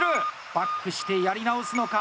バックして、やり直すのか？